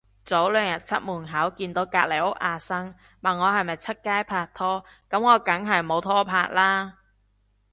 早兩日出門口見到隔離屋阿生，問我係咪出街拍拖，噉我梗係冇拖拍啦